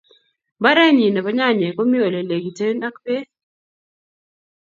Mbarenyii nebo nyanyek komo mi Ole legiten beek